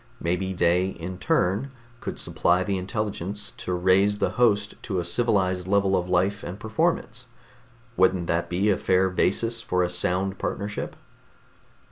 Maybe they in turn could supply the intelligence to raise the host to a civilized level of life and performance. Wouldn't that be a fair basis for a sound partnership?"